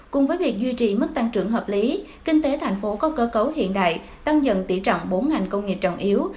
cùng với việc duy trì mức tăng trưởng hợp lý kinh tế tp hcm có cơ cấu hiện đại tăng dần tỷ trọng bốn ngành công nghiệp trọng yếu